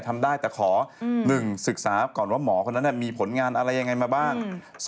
ทำได้แต่ขอ๑ศึกษาก่อนว่าหมอคนนั้นมีผลงานอะไรยังไงมาบ้าง